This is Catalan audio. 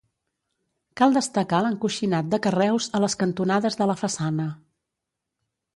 Cal destacar l'encoixinat de carreus a les cantonades de la façana.